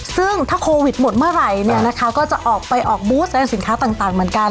ซึ่งถ้าโควิดหมดเมื่อไหร่เนี่ยนะคะก็จะออกไปออกบูสในสินค้าต่างเหมือนกัน